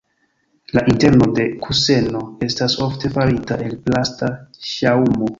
La interno de kuseno estas ofte farita el plasta ŝaŭmo.